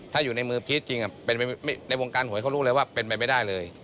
ถ้าอยู่ในมือพีชจริงในวงการหวยเขารู้เลยว่าเป็นไปไม่ได้เลย